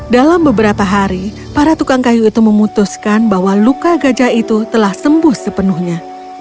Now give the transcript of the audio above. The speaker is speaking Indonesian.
dalam beberapa hari para tukang kayu itu memutuskan bahwa luka gajah itu telah sembuh sepenuhnya